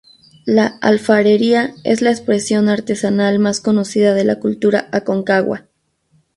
La alfarería es la expresión artesanal más conocida de la cultura Aconcagua.